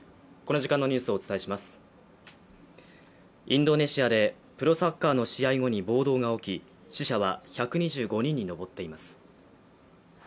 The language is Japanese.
インドネシアでプロサッカーの試合後に暴動が起き、死者は１２５人に上っています。